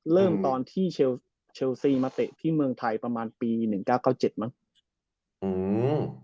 เริ่มตอนที่เชลเชลซีมาเตะที่เมืองไทยประมาณปีหนึ่งเก้าเก้าเจ็ดมั้งอืม